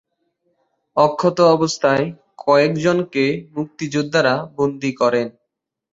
অক্ষত অবস্থায় কয়েকজনকে মুক্তিযোদ্ধারা বন্দী করেন।